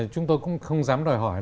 chúng tôi cũng không dám đòi hỏi